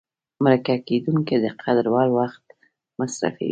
مرکه کېدونکی د قدر وړ وخت مصرفوي.